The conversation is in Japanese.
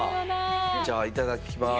じゃあいただきます。